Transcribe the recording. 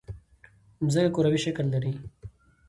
مځکه کروي شکل لري.